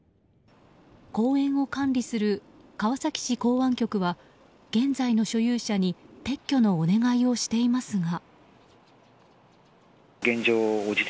公園を管理する川崎市港湾局は現在の所有者に撤去のお願いをしていますが。